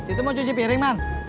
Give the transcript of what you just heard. itu mau cuci piring man